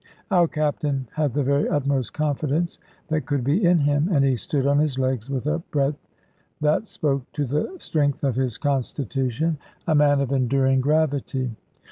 Our Captain had the very utmost confidence that could be in him, and he stood on his legs with a breadth that spoke to the strength of his constitution; a man of enduring gravity.